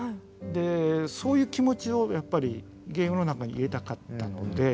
でそういう気持ちをやっぱりゲームの中に入れたかったので。